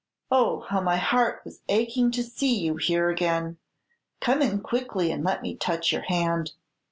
Oh, how my heart was aching to see you here again! Come in quickly, and let me touch your hand."